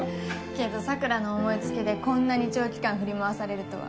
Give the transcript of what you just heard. けど桜の思い付きでこんなに長期間振り回されるとは。